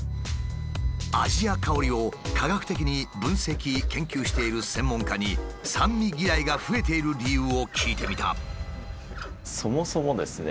味や香りを科学的に分析研究している専門家に酸味嫌いが増えている理由を聞いてみた。